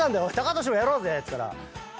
寶世もやろうぜっつったら。